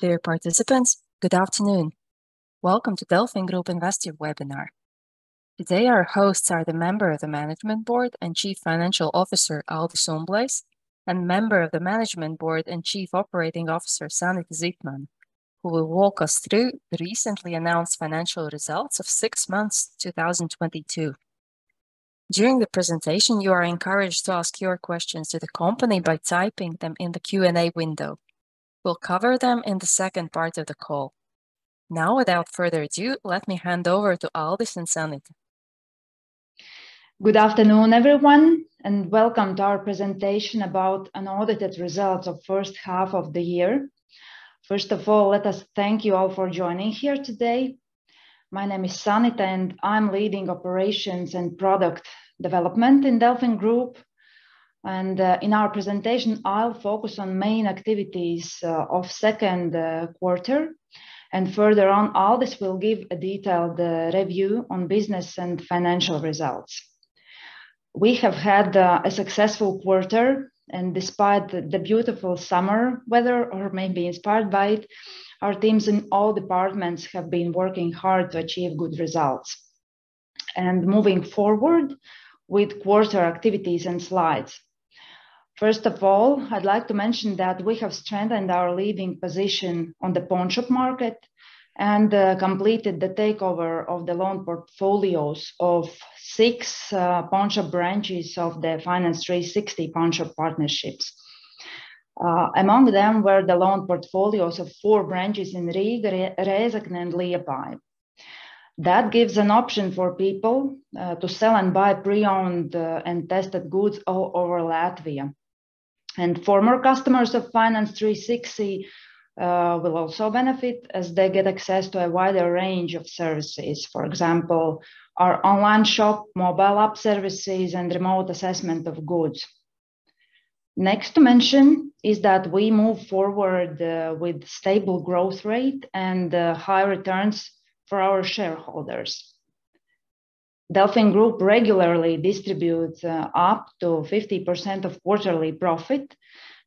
Dear participants, good afternoon. Welcome to DelfinGroup Investor Webinar. Today our hosts are the Member of the Management Board and Chief Financial Officer, Aldis Umblejs, and Member of the Management Board and Chief Operating Officer, Sanita Zitmane, who will walk us through the recently announced financial results of six months, 2022. During the presentation, you are encouraged to ask your questions to the company by typing them in the Q&A window. We'll cover them in the second part of the call. Now, without further ado, let me hand over to Aldis and Sanita. Good afternoon everyone, and welcome to our presentation about unaudited results of first half of the year. First of all, let us thank you all for joining here today. My name is Sanita, and I'm leading operations and product development in DelfinGroup. In our presentation, I'll focus on main activities of second quarter. Further on, Aldis will give a detailed review on business and financial results. We have had a successful quarter. Despite the beautiful summer weather or maybe inspired by it, our teams in all departments have been working hard to achieve good results. Moving forward with quarter activities and slides. First of all, I'd like to mention that we have strengthened our leading position on the pawnshop market and completed the takeover of the loan portfolios of six pawnshop branches of the Finance 360 pawnshop partnership. Among them were the loan portfolios of four branches in Riga, Rezekne, and Liepāja. That gives an option for people to sell and buy pre-owned and tested goods all over Latvia. Former customers of Finance 360 will also benefit as they get access to a wider range of services. For example, our online shop, mobile app services, and remote assessment of goods. Next to mention is that we move forward with stable growth rate and high returns for our shareholders. DelfinGroup regularly distributes up to 50% of quarterly profit,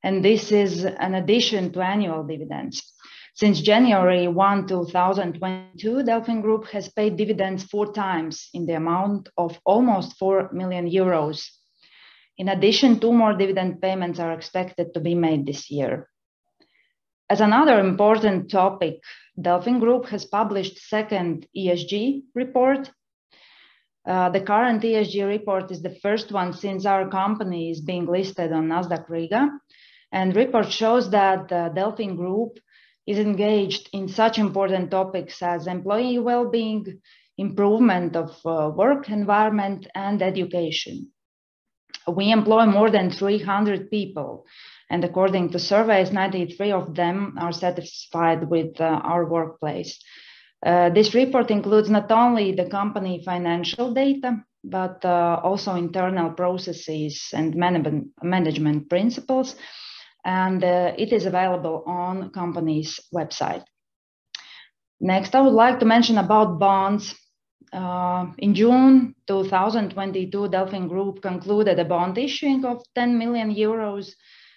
and this is an addition to annual dividends. Since January 1, 2022, DelfinGroup has paid dividends four times in the amount of almost 4 million euros. In addition, two more dividend payments are expected to be made this year. As another important topic, DelfinGroup has published second ESG report. The current ESG report is the first one since our company is being listed on Nasdaq Riga. The report shows that DelfinGroup is engaged in such important topics as employee well-being, improvement of work environment, and education. We employ more than 300 people, and according to surveys, 93% of them are satisfied with our workplace. This report includes not only the company financial data but also internal processes and management principles. It is available on the company's website. Next, I would like to mention about bonds. In June 2022, DelfinGroup concluded a bond issuance of 10 million euros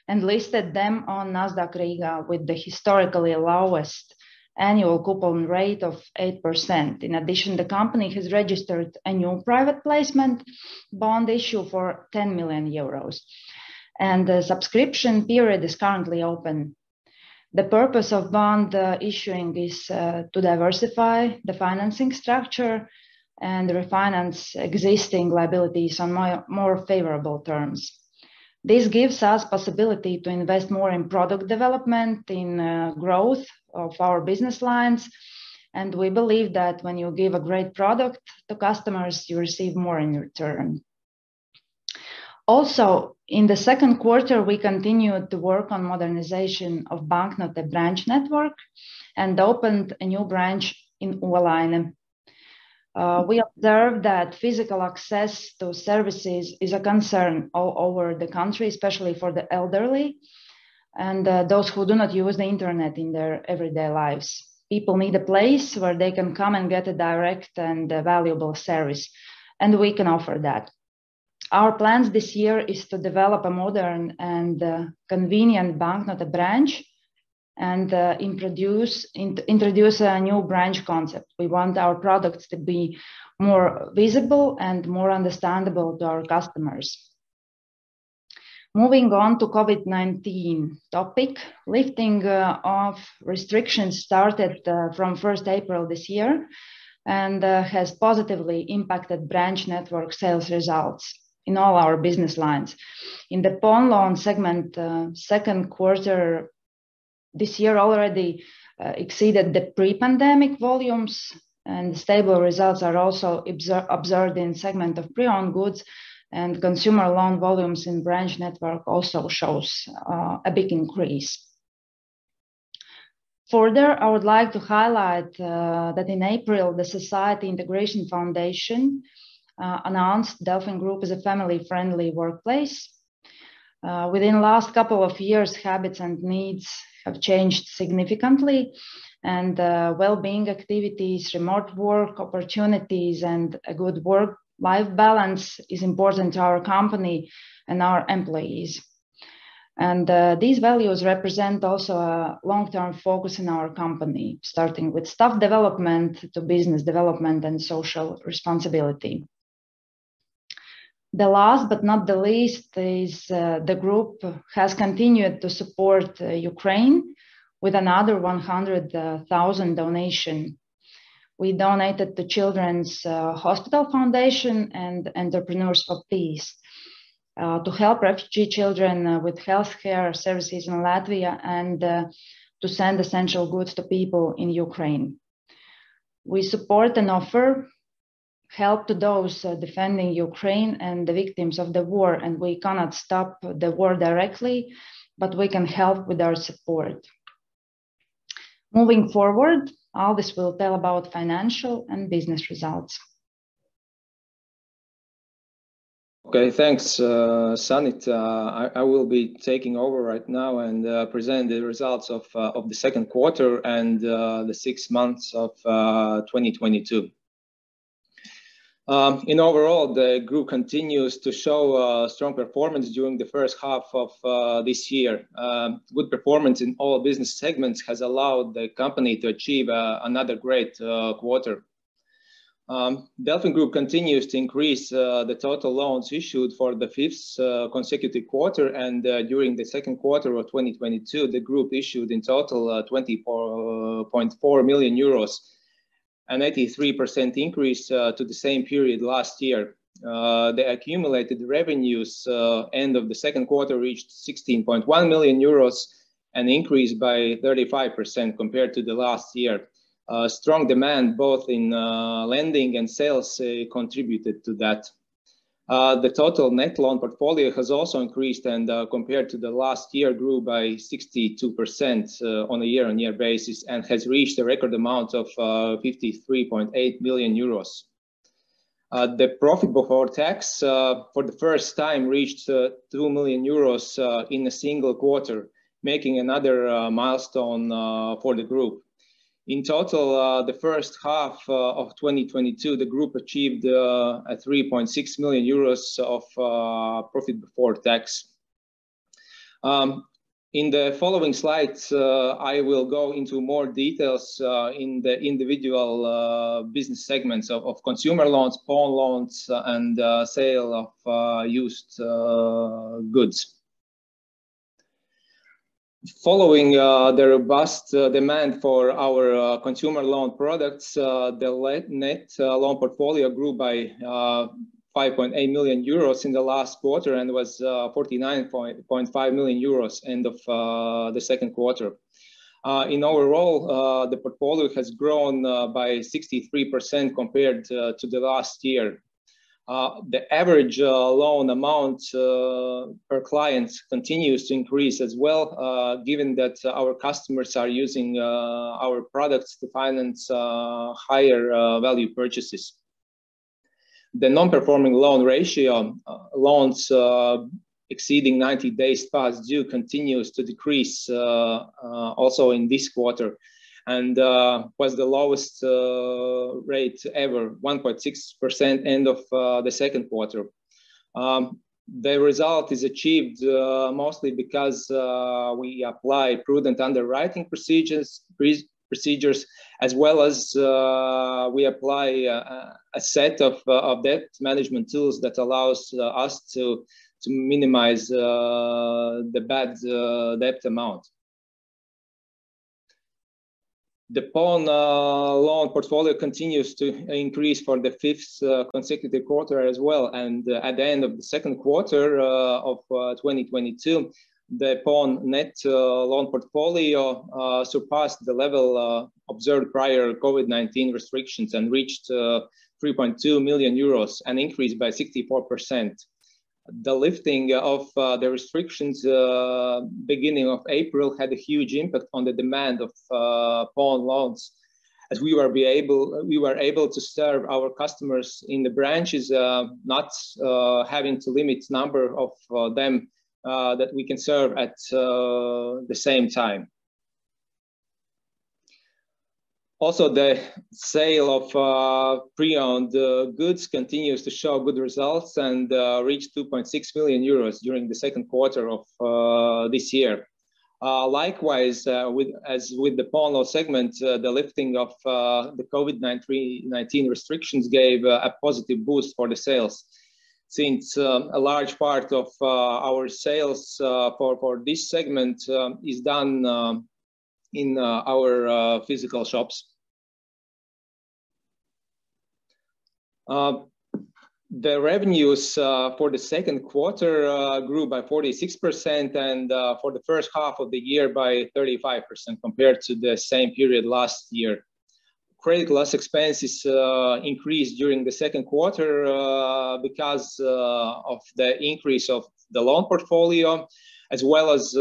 and listed them on Nasdaq Riga with the historically lowest annual coupon rate of 8%. In addition, the company has registered annual private placement bond issue for 10 million euros. The subscription period is currently open. The purpose of bond issuing is to diversify the financing structure and refinance existing liabilities on more favorable terms. This gives us possibility to invest more in product development, in growth of our business lines. We believe that when you give a great product to customers, you receive more in return. Also, in the second quarter, we continued to work on modernization of Banknote branch network and opened a new branch in Olaine. We observed that physical access to services is a concern all over the country, especially for the elderly and those who do not use the internet in their everyday lives. People need a place where they can come and get a direct and a valuable service, and we can offer that. Our plans this year is to develop a modern and convenient Banknote branch and introduce a new branch concept. We want our products to be more visible and more understandable to our customers. Moving on to COVID-19 topic. Lifting of restrictions started from first April this year, and has positively impacted branch network sales results in all our business lines. In the pawn loan segment, second quarter this year already exceeded the pre-pandemic volumes. Stable results are also observed in segment of pre-owned goods. Consumer loan volumes in branch network also shows a big increase. Further, I would like to highlight that in April, the Society Integration Foundation announced DelfinGroup is a family-friendly workplace. Within last couple of years, habits and needs have changed significantly. Wellbeing activities, remote work opportunities, and a good work-life balance is important to our company and our employees. These values represent also a long-term focus in our company, starting with staff development to business development and social responsibility. The last but not the least is the group has continued to support Ukraine with another 100,000 donation. We donated to Children's Hospital Foundation and Entrepreneurs for Peace to help refugee children with healthcare services in Latvia and to send essential goods to people in Ukraine. We support and offer help to those defending Ukraine and the victims of the war, and we cannot stop the war directly, but we can help with our support. Moving forward, Aldis will tell about financial and business results. Okay thanks Sanita. I will be taking over right now and present the results of the second quarter and the six months of 2022. Overall, the group continues to show strong performance during the first half of this year. Good performance in all business segments has allowed the company to achieve another great quarter. DelfinGroup continues to increase the total loans issued for the fifth consecutive quarter, and during the second quarter of 2022, the group issued in total 24.4 million euros, an 83% increase to the same period last year. The accumulated revenues end of the second quarter reached 16.1 million euros, an increase by 35% compared to the last year. Strong demand both in lending and sales contributed to that. The total net loan portfolio has also increased, and compared to the last year, grew by 62% on a year-on-year basis and has reached a record amount of 53.8 million euros. The profit before tax for the first time reached 2 million euros in a single quarter, making another milestone for the group. In total, the first half of 2022, the group achieved 3.6 million euros of profit before tax. In the following slides, I will go into more details in the individual business segments of consumer loans, pawn loans, and sale of used goods. Following the robust demand for our consumer loan products, the net loan portfolio grew by 5.8 million euros in the last quarter and was 49.5 million euros end of the second quarter. In overall, the portfolio has grown by 63% compared to the last year. The average loan amount per client continues to increase as well, given that our customers are using our products to finance higher value purchases. The non-performing loan ratio loans exceeding 90 days past due, continues to decrease also in this quarter and was the lowest rate ever, 1.6% end of the second quarter. The result is achieved mostly because we apply prudent underwriting procedures, pre-procedures as well as a set of debt management tools that allows us to minimize the bad debt amount. The pawn loan portfolio continues to increase for the fifth consecutive quarter as well. At the end of the second quarter of 2022, the pawn net loan portfolio surpassed the level observed prior COVID-19 restrictions and reached 3.2 million euros, an increase by 64%. The lifting of the restrictions beginning of April had a huge impact on the demand of pawn loans as we were able to serve our customers in the branches, not having to limit number of them that we can serve at the same time. Also, the sale of pre-owned goods continues to show good results and reached 2.6 million euros during the second quarter of this year. Likewise, as with the pawn loan segment, the lifting of the COVID-19 restrictions gave a positive boost for the sales since a large part of our sales for this segment is done in our physical shops. The revenues for the second quarter grew by 46% and for the first half of the year by 35% compared to the same period last year. Credit loss expenses increased during the second quarter because of the increase of the loan portfolio, as well as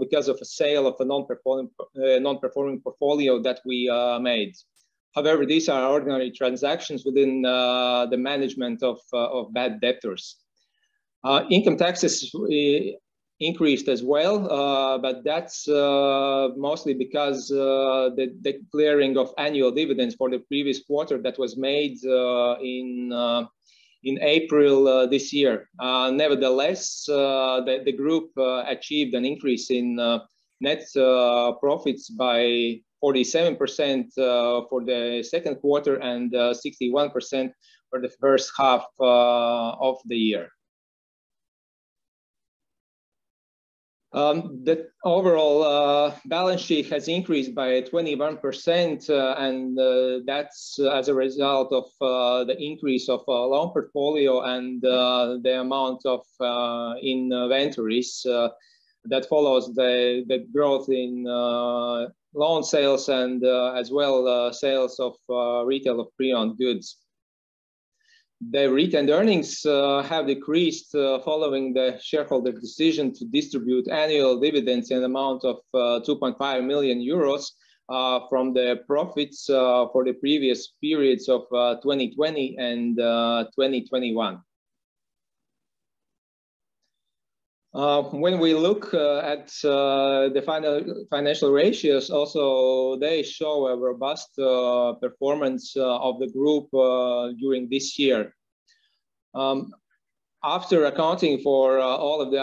because of a sale of a non-performing portfolio that we made. However, these are ordinary transactions within the management of bad debtors. Income taxes increased as well, but that's mostly because the clearing of annual dividends for the previous quarter that was made in April this year. Nevertheless, the group achieved an increase in net profits by 47% for the second quarter and 61% for the first half of the year. The overall balance sheet has increased by 21%, and that's as a result of the increase of loan portfolio and the amount of inventories that follows the growth in loan sales and as well sales of retail of pre-owned goods. The retained earnings have decreased following the shareholder decision to distribute annual dividends in amount of 2.5 million euros from the profits for the previous periods of 2020 and 2021. When we look at the final financial ratios also, they show a robust performance of the group during this year. After accounting for all of the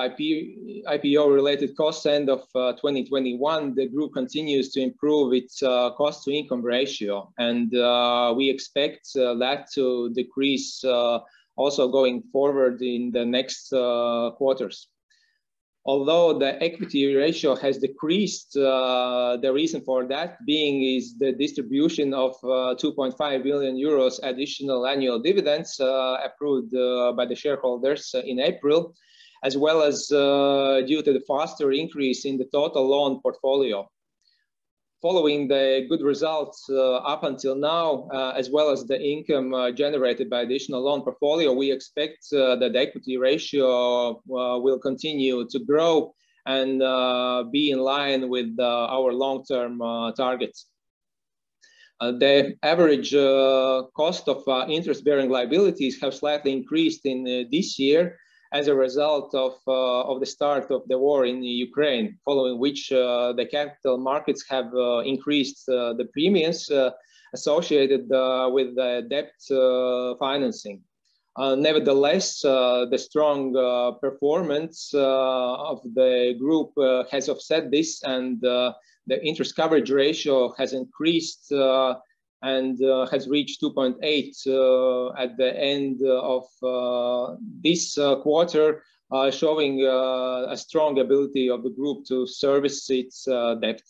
IPO related costs end of 2021, the group continues to improve its cost to income ratio. We expect that to decrease also going forward in the next quarters. Although the equity ratio has decreased, the reason for that being is the distribution of 2.5 million euros additional annual dividends approved by the shareholders in April, as well as due to the faster increase in the total loan portfolio. Following the good results up until now as well as the income generated by additional loan portfolio, we expect the equity ratio will continue to grow and be in line with our long-term targets. The average cost of interest-bearing liabilities have slightly increased in this year as a result of the start of the war in Ukraine. Following which, the capital markets have increased the premiums associated with the debt financing. Nevertheless, the strong performance of the group has offset this and the interest coverage ratio has increased and has reached 2.8 at the end of this quarter. Showing a strong ability of the group to service its debt.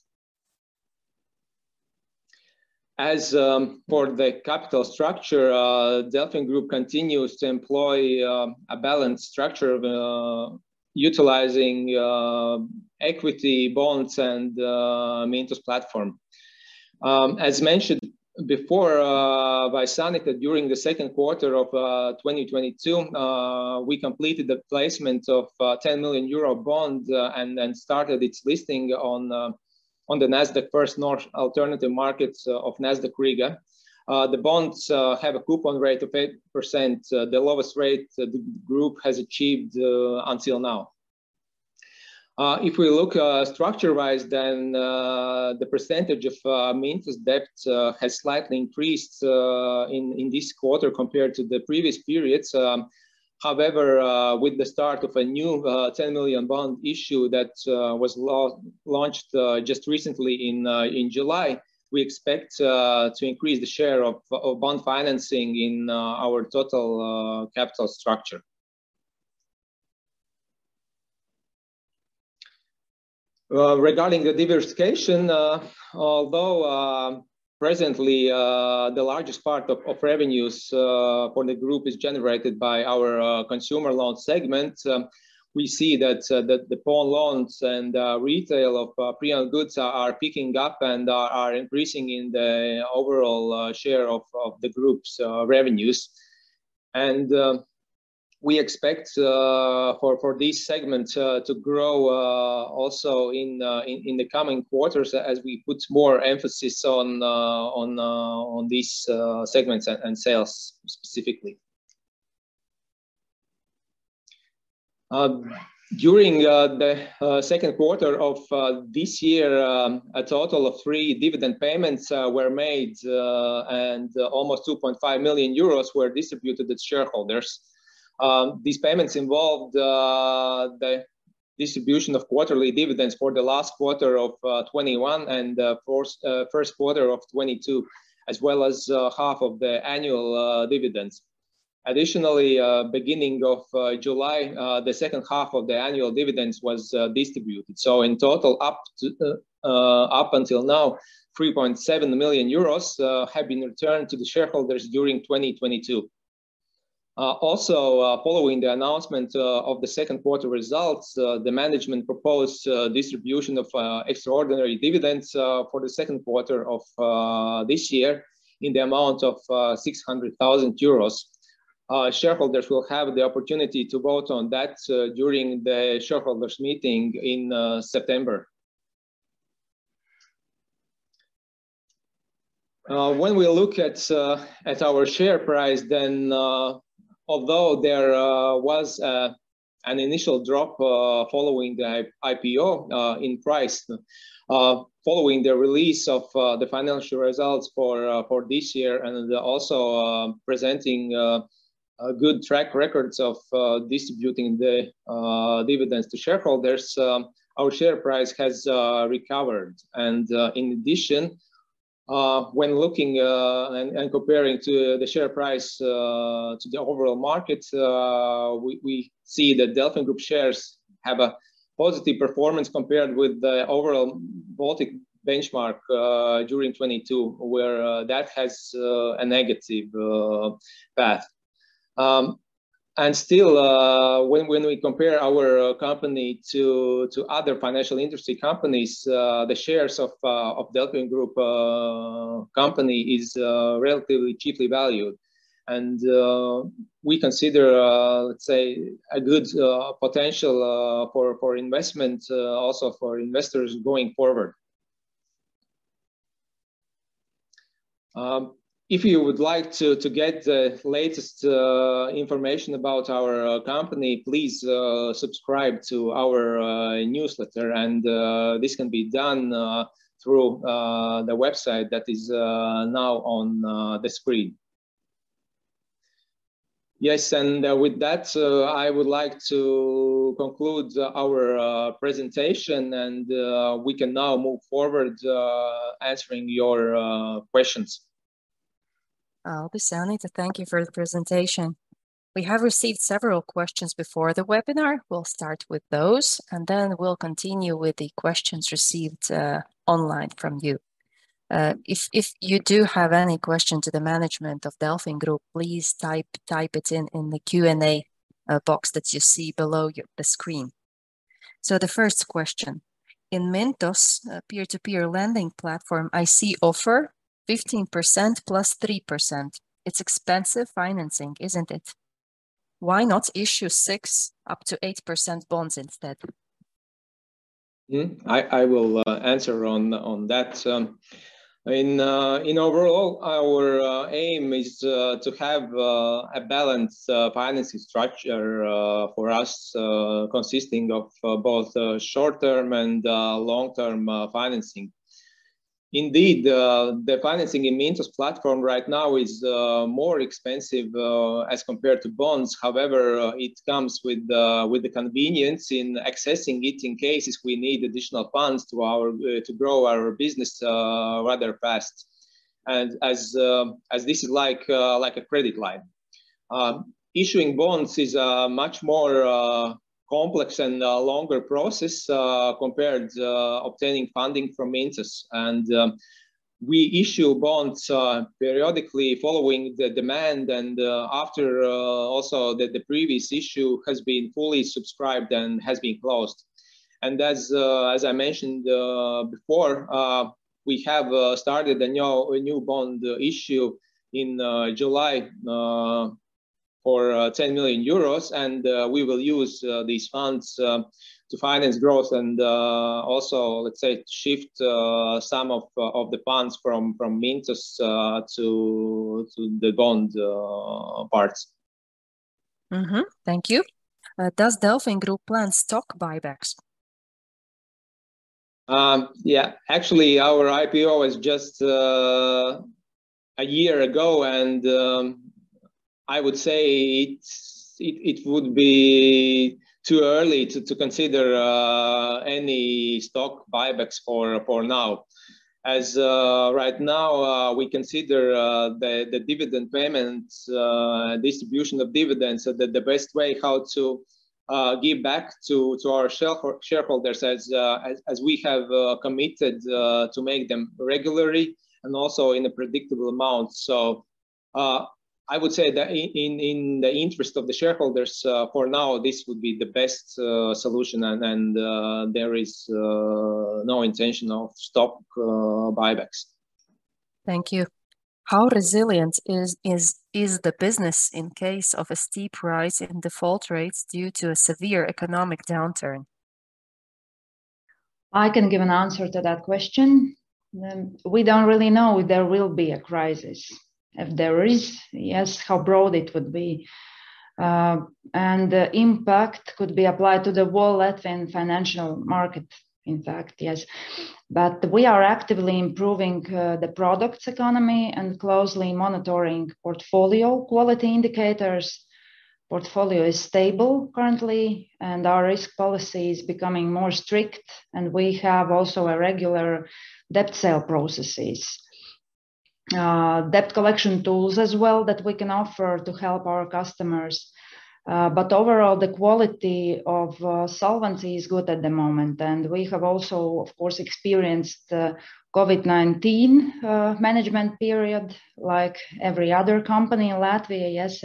As for the capital structure, DelfinGroup continues to employ a balanced structure of utilizing equity, bonds, and Mintos platform. As mentioned before by Sanita Zitmane, during the second quarter of 2022, we completed the placement of 10 million euro bond and then started its listing on the Nasdaq First North alternative market of Nasdaq Riga. The bonds have a coupon rate of 8%, the lowest rate the group has achieved until now. If we look structure-wise, then the percentage of interest-bearing debt has slightly increased in this quarter compared to the previous periods. However, with the start of a new 10 million bond issue that was launched just recently in July, we expect to increase the share of bond financing in our total capital structure. Regarding the diversification, although presently the largest part of revenues for the group is generated by our consumer loan segment, we see that the pawn loans and retail of pre-owned goods are picking up and are increasing in the overall share of the group's revenues. We expect for this segment to grow also in the coming quarters as we put more emphasis on these segments and sales specifically. During the second quarter of this year, a total of three dividend payments were made, and almost 2.5 million euros were distributed to shareholders. These payments involved the distribution of quarterly dividends for the last quarter of 2021 and first quarter of 2022, as well as half of the annual dividends. Additionally, beginning of July, the second half of the annual dividends was distributed. In total up until now, 3.7 million euros have been returned to the shareholders during 2022. Also, following the announcement of the second quarter results, the management proposed distribution of extraordinary dividends for the second quarter of this year in the amount of 600,000 euros. Shareholders will have the opportunity to vote on that during the shareholders meeting in September. When we look at our share price then, although there was an initial drop following the IPO in price following the release of the financial results for this year and also presenting a good track records of distributing the dividends to shareholders, our share price has recovered. In addition, when looking and comparing the share price to the overall market, we see that DelfinGroup shares have a positive performance compared with the overall Baltic benchmark during 2022, where that has a negative path. Still, when we compare our company to other financial industry companies, the shares of DelfinGroup company is relatively cheaply valued. We consider, let's say a good potential for investment also for investors going forward. If you would like to get the latest information about our company, please subscribe to our newsletter and this can be done through the website that is now on the screen. Yes, with that, I would like to conclude our presentation and we can now move forward answering your questions. Aldis Umblejs and Sanita Zitmane, thank you for the presentation. We have received several questions before the webinar. We'll start with those, and then we'll continue with the questions received online from you. If you do have any question to the management of DelfinGroup, please type it in the Q&A box that you see below the screen. The first question: In Mintos peer-to-peer lending platform, I see offer 15% + 3%. It's expensive financing, isn't it? Why not issue 6%-8% bonds instead? I will answer on that. In overall, our aim is to have a balanced financing structure for us consisting of both short-term and long-term financing. Indeed, the financing in Mintos platform right now is more expensive as compared to bonds. However, it comes with the convenience in accessing it in cases we need additional funds to grow our business rather fast and as this is like a credit line. Issuing bonds is a much more complex and longer process compared to obtaining funding from Mintos. We issue bonds periodically following the demand and after also the previous issue has been fully subscribed and has been closed. As I mentioned before, we have started a new bond issue in July for 10 million euros, and we will use these funds to finance growth and also, let's say, shift some of the funds from Mintos to the bond parts. Mm-hmm. Thank you. Does DelfinGroup plan stock buybacks? Yeah. Actually, our IPO is just a year ago and I would say it would be too early to consider any stock buybacks for now. Right now, we consider the dividend payments, distribution of dividends, the best way how to give back to our shareholders as we have committed to make them regularly and also in a predictable amount. I would say that in the interest of the shareholders for now, this would be the best solution and there is no intention of stock buybacks. Thank you. How resilient is the business in case of a steep rise in default rates due to a severe economic downturn? I can give an answer to that question. We don't really know if there will be a crisis. If there is, yes, how broad it would be. The impact could be applied to the whole Latvian financial market, in fact, yes. We are actively improving the products economy and closely monitoring portfolio quality indicators. Portfolio is stable currently, and our risk policy is becoming more strict. We have also a regular debt sale processes. Debt collection tools as well that we can offer to help our customers. Overall, the quality of solvency is good at the moment, and we have also, of course, experienced the COVID-19 management period like every other company in Latvia, yes.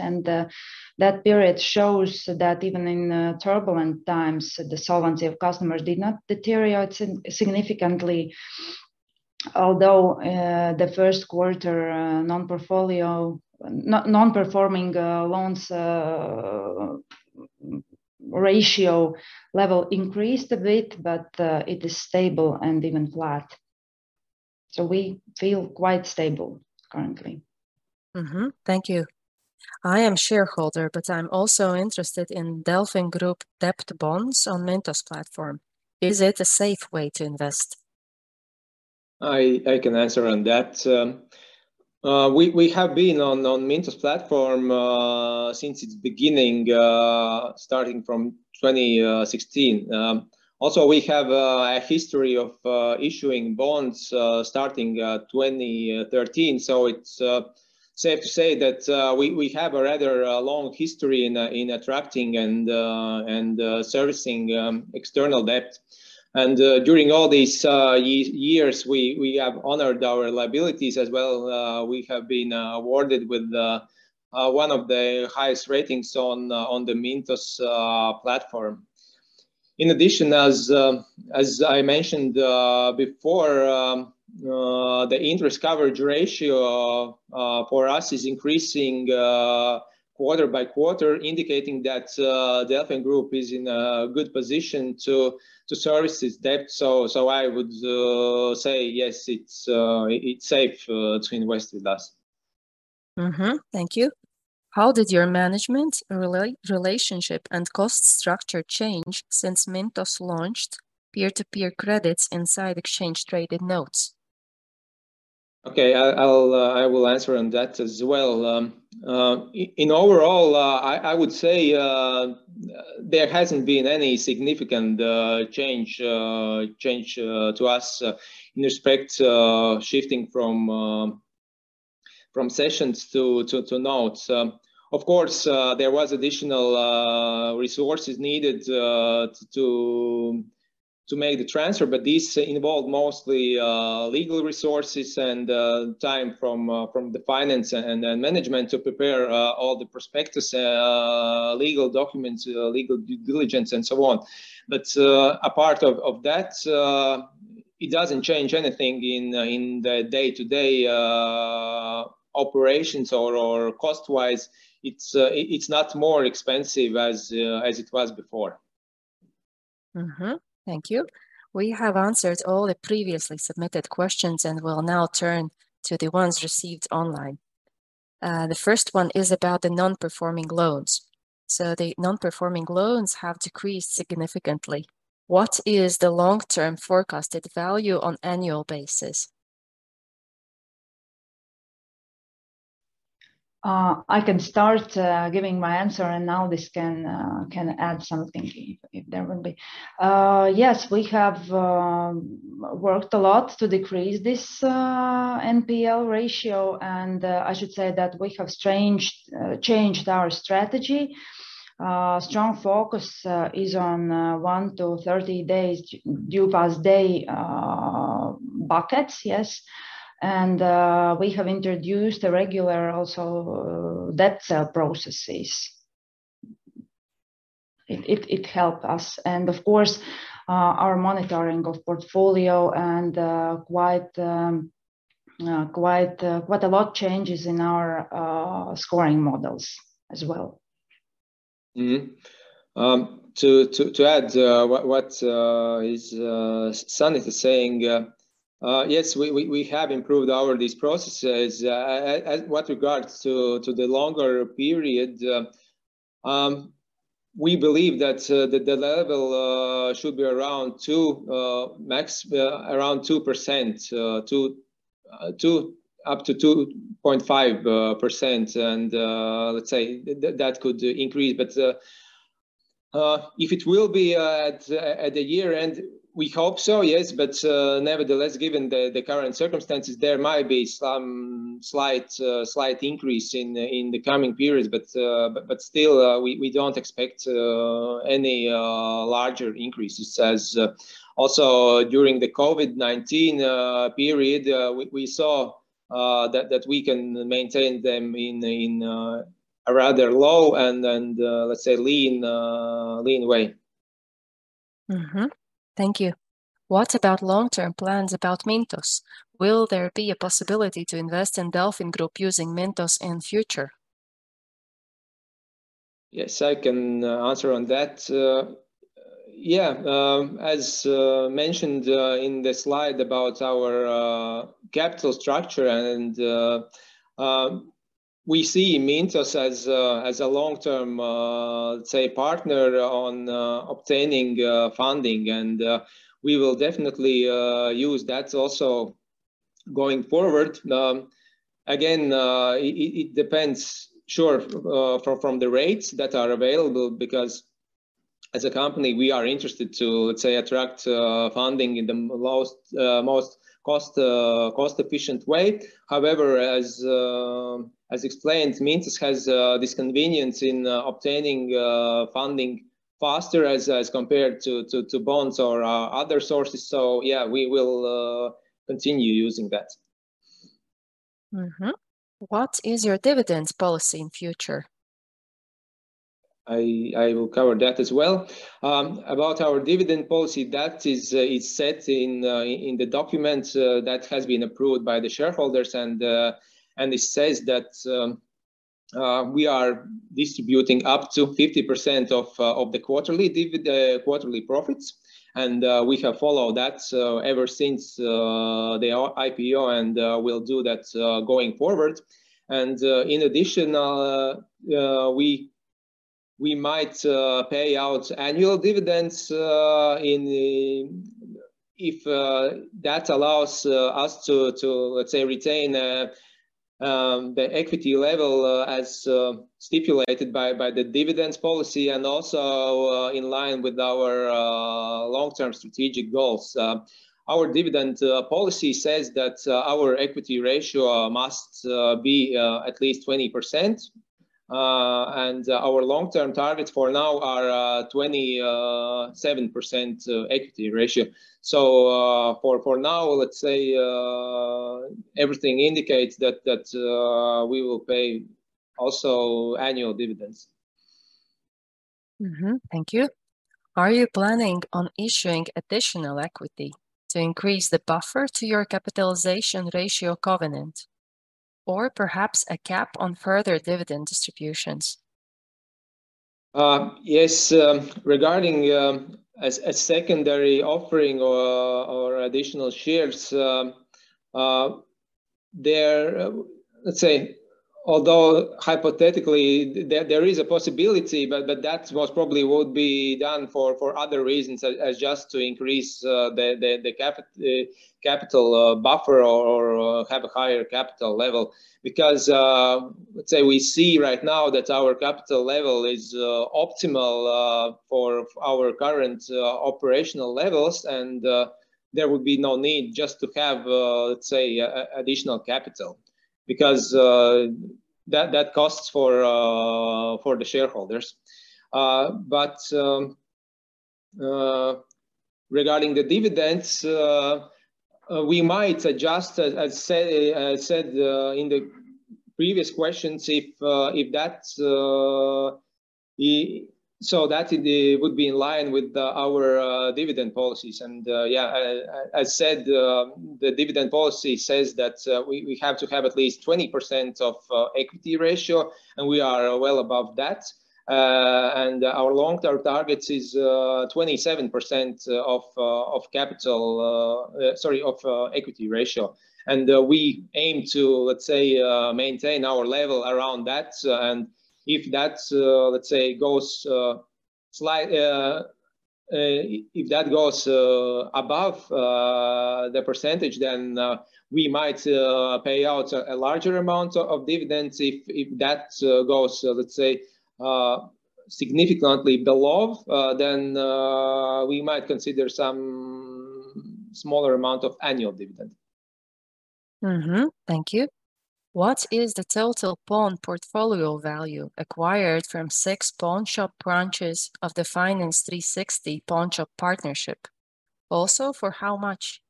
That period shows that even in turbulent times, the solvency of customers did not deteriorate significantly. Although the first quarter non-performing loan ratio level increased a bit, but it is stable and even flat. We feel quite stable currently. Thank you. I am shareholder, but I'm also interested in DelfinGroup debt bonds on Mintos platform. Is it a safe way to invest? I can answer on that. We have been on Mintos platform since its beginning, starting from 2016. Also, we have a history of issuing bonds, starting 2013, so it's safe to say that we have a rather long history in attracting and servicing external debt. During all these years, we have honored our liabilities as well. We have been awarded with one of the highest ratings on the Mintos platform. In addition, as I mentioned before, the interest coverage ratio for us is increasing quarter by quarter, indicating that DelfinGroup is in a good position to service its debt. I would say yes, it's safe to invest with us. Thank you. How did your management relationship and cost structure change since Mintos launched peer-to-peer credits inside exchange traded notes? Okay. I will answer on that as well. In overall, I would say there hasn't been any significant change to us in respect shifting from sessions to notes. Of course, there was additional resources needed to make the transfer, but this involved mostly legal resources and time from the finance and management to prepare all the prospectus, legal documents, legal due diligence and so on. Apart from that, it doesn't change anything in the day-to-day operations or cost-wise. It's not more expensive than it was before. Thank you. We have answered all the previously submitted questions and will now turn to the ones received online. The first one is about the non-performing loans. The non-performing loans have decreased significantly. What is the long-term forecasted value on annual basis? I can start giving my answer, and Aldis can add something if there will be. Yes, we have worked a lot to decrease this NPL ratio, and I should say that we have changed our strategy. Strong focus is on one to 30 days past due buckets. Yes. We have introduced also a regular debt sale processes. It helped us. Of course, our monitoring of portfolio and quite a lot of changes in our scoring models as well. To add what Sanita is saying, yes, we have improved these processes. As regards to the longer period, we believe that the level should be around 2%, max around 2%, up to 2.5%. If it will be at the year-end, we hope so, yes. Nevertheless, given the current circumstances, there might be some slight increase in the coming periods, but still, we don't expect any larger increases as also during the COVID-19 period, we saw that we can maintain them in a rather low and let's say lean way. Mm-hmm. Thank you. What about long-term plans about Mintos? Will there be a possibility to invest in DelfinGroup using Mintos in future? Yes, I can answer on that. As mentioned in the slide about our capital structure and we see Mintos as a long-term, say, partner on obtaining funding and we will definitely use that also going forward. Again, it depends, sure, from the rates that are available because as a company, we are interested to, let's say, attract funding in the most cost efficient way. However, as explained, Mintos has this convenience in obtaining funding faster as compared to bonds or other sources. We will continue using that. What is your dividend policy in future? I will cover that as well. About our dividend policy, that is set in the document that has been approved by the shareholders and it says that we are distributing up to 50% of the quarterly profits and we have followed that ever since the IPO and we'll do that going forward. In addition, we might pay out annual dividends if that allows us to let's say retain the equity level as stipulated by the dividend policy and also in line with our long-term strategic goals. Our dividend policy says that our equity ratio must be at least 20%. Our long-term targets for now are 27% equity ratio. For now, let's say everything indicates that we will pay also annual dividends. Thank you. Are you planning on issuing additional equity to increase the buffer to your capitalization ratio covenant or perhaps a cap on further dividend distributions? Yes. Regarding a secondary offering or additional shares, let's say, although hypothetically there is a possibility, but that's what probably would be done for other reasons, not just to increase the capital buffer or have a higher capital level. Let's say we see right now that our capital level is optimal for our current operational levels. There would be no need just to have an additional capital because that costs for the shareholders. Regarding the dividends, we might adjust as said in the previous questions if that's so that it would be in line with our dividend policies. I said the dividend policy says that we have to have at least 20% equity ratio, and we are well above that. Our long-term targets is 27% equity ratio. We aim to, let's say, maintain our level around that. If that goes above the percentage, then we might pay out a larger amount of dividends. If that goes, let's say, significantly below, then we might consider some smaller amount of annual dividend. Thank you. What is the total pawn portfolio value acquired from six pawnshop branches of the Finance 360 pawnshop partnership? Also, for how much?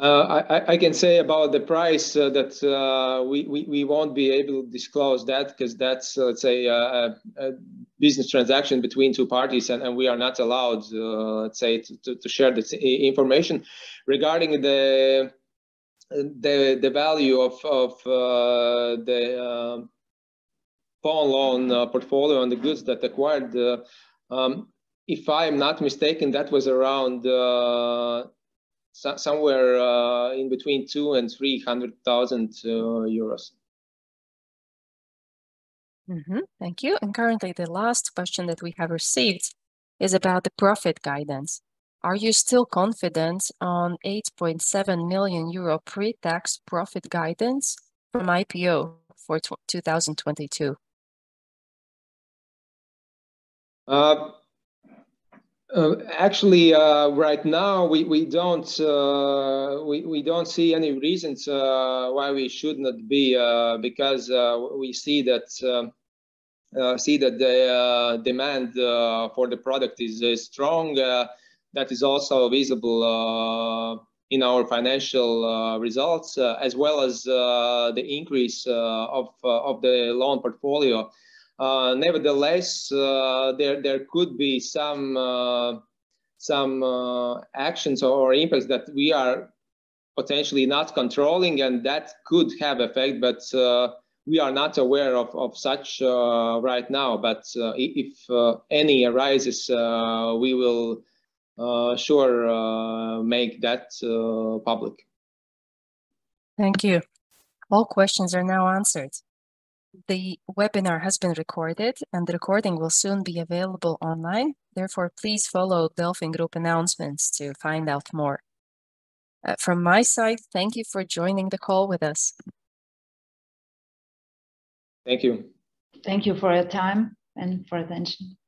I can say about the price that we won't be able to disclose that because that's, let's say, a business transaction between two parties and we are not allowed, let's say, to share this information. Regarding the value of the pawn loan portfolio and the goods that we acquired, if I'm not mistaken, that was around somewhere between 200,000 and 300,000 euros. Thank you. Currently the last question that we have received is about the profit guidance. Are you still confident on 8.7 million euro pre-tax profit guidance from IPO for 2022? Actually, right now we don't see any reasons why we should not be because we see that the demand for the product is strong. That is also visible in our financial results as well as the increase of the loan portfolio. Nevertheless, there could be some actions or impacts that we are potentially not controlling and that could have effect. We are not aware of such right now. If any arises we will sure make that public. Thank you. All questions are now answered. The webinar has been recorded and the recording will soon be available online. Therefore, please follow DelfinGroup announcements to find out more. From my side, thank you for joining the call with us. Thank you. Thank you for your time and for attention.